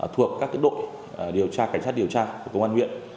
thuộc các đội điều tra cảnh sát điều tra của công an huyện